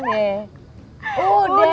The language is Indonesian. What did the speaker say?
udah kita udah temenan